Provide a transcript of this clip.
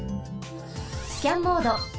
スキャンモード。